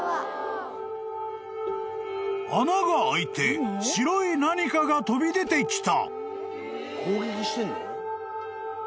［穴が開いて白い何かが飛び出てきた］